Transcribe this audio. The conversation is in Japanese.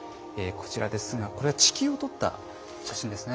こちらですがこれは地球を撮った写真ですね。